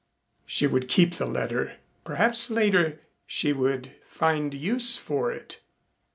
She would keep the letter. Perhaps later she would find use for it.